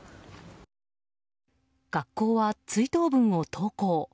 学校は追悼文を投稿。